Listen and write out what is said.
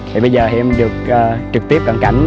thì bây giờ em được trực tiếp cận cảnh